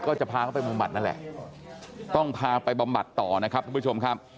ก็จะพาเขาไปบำบัดนั่นแหละต้องพาไปบำบัดต่อนะครับทุกผู้ชมครับ